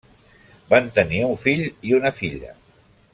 Van tenir un fill i una filla.